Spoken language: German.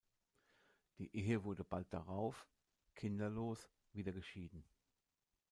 Die Ehe wurde bald darauf, kinderlos, wieder geschieden.